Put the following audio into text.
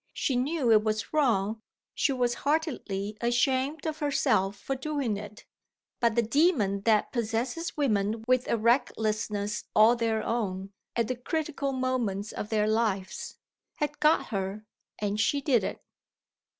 She knew it was wrong; she was heartily ashamed of herself for doing it. But the demon that possesses women with a recklessness all their own, at the critical moments of their lives, had got her and she did it.